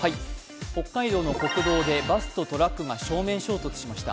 北海道の国道でバスとトラックが正面衝突ました。